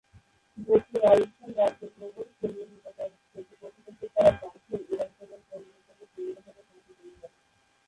যোধপুর রাজস্থান রাজ্যের ভৌগোলিক কেন্দ্রের নিকটে অবস্থিত, এটি পর্যটকদের দ্বারা প্রায়শই এই অঞ্চলে ভ্রমণের জন্য একটি সুবিধাজনক ঘাঁটি তৈরি করে।